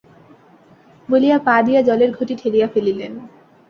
বলিয়া পা দিয়া জলের ঘটি ঠেলিয়া ফেলিলেন।